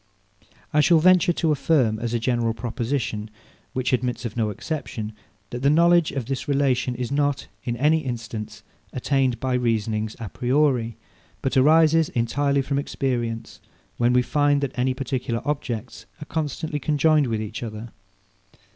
I shall venture to affirm, as a general proposition, which admits of no exception, that the knowledge of this relation is not, in any instance, attained by reasonings a priori; but arises entirely from experience, when we find that any particular objects are constantly conjoined with each other.